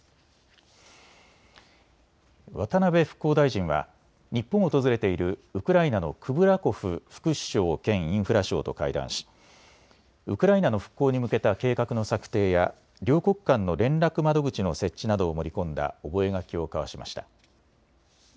渡辺復興大臣は日本を訪れているウクライナのクブラコフ副首相兼インフラ相と会談しウクライナの復興に向けた計画の策定や両国間の連絡窓口の設置などを盛り込んだ覚書を交わしました。